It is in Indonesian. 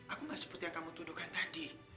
aku nggak seperti yang kamu tuduhkan tadi